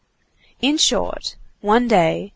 In short, one day, M.